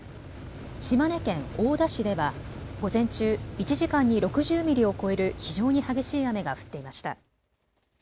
島根県大田市では午前中、１時間に６０ミリを超える非常に激しい雨が降っていました。